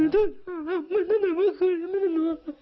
ท่านหาไม่ได้หน่อยเมื่อคืนไม่ได้นอน